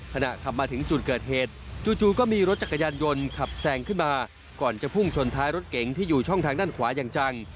ขณะขับมาถึงจุดเกิดเหตุจู่ก็มีรถจักรยานยนต์ขับแซงขึ้นมาก่อนจะพุ่งชนท้ายรถเก๋งที่อยู่ช่องทางด้านขวาอย่างจัง